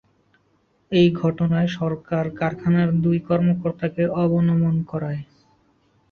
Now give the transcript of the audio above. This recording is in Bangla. এ ঘটনায় সরকার কারখানার দুই কর্মকর্তাকে অবনমন করায়।